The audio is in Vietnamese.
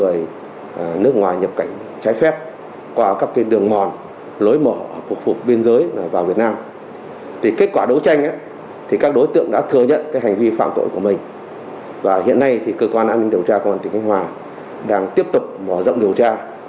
hiện nay cơ quan an ninh điều tra công an tỉnh thánh hòa đang tiếp tục mở rộng điều tra